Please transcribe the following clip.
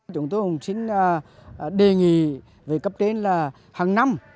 chúng tôi xin đề nghị về cấp trên là hằng năm